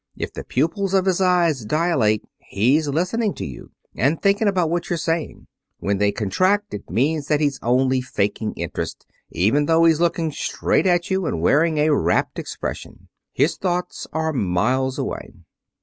If the pupils of his eyes dilate he's listening to you, and thinking about what you're saying. When they contract it means that he's only faking interest, even though he's looking straight at you and wearing a rapt expression. His thoughts are miles away.'